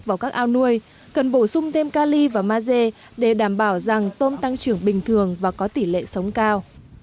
và các al nuôi cần bổ sung thêm cali và maze để đảm bảo rằng tôm tăng trưởng bình thường và có tỷ lệ sống cao